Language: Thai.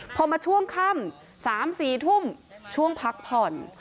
พอมาช่วงค่ำ๓๔ทุ่มช่วงพักผ่อน